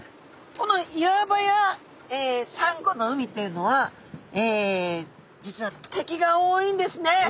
この岩場やサンゴの海というのは実は敵が多いんですね。